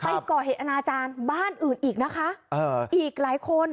ไปก่อเหตุอนาจารย์บ้านอื่นอีกนะคะอีกหลายคน